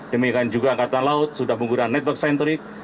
demikian juga angkatan laut sudah menggunakan network centric